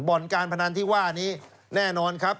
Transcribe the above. บ่อนการพนันที่ว่านี้แน่นอนครับ